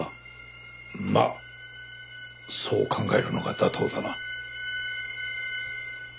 まあそう考えるのが妥当だな。